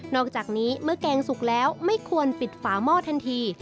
อกจากนี้เมื่อแกงสุกแล้วไม่ควรปิดฝาหม้อทันที